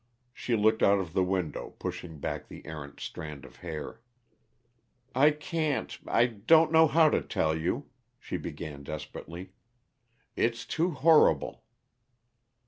She looked out of the window, pushing back the errant strand of hair. "I can't I don't know how to tell you," she began desperately. "It's too horrible."